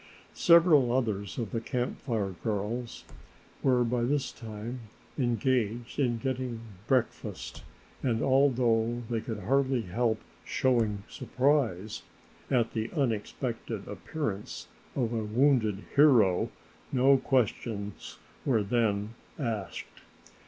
Several others of the Camp Fire girls, were by this time engaged in getting break fast and although they could hardly help showing surprise at the unexpected appearance of a wounded hero no questions were then asked.